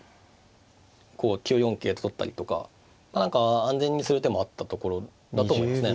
こう９四桂と取ったりとか何か安全にする手もあったところだと思いますね。